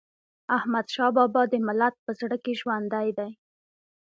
احمدشاه بابا د ملت په زړه کي ژوندی دی.